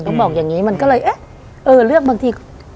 บอกอย่างนี้มันก็เลยเอ๊ะเออเลือกบางที